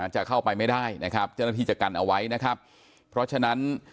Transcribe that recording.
จะเข้าไปไม่ได้นะครับเจ้าหน้าที่จะกันเอาไว้นะครับเพราะฉะนั้น